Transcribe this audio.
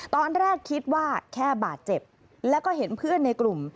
ตอนแรกคิดว่าแค่บาดเจ็บแล้วก็เห็นเพื่อนในกลุ่ม